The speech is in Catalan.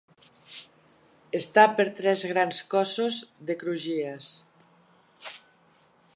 Està per tres grans cossos de crugies.